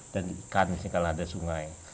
dan ikan misalnya kalau ada sungai